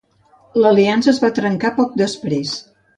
L'aliança es va trencar poc després.